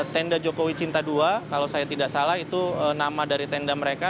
tenda jokowi cinta dua kalau saya tidak salah itu nama dari tenda mereka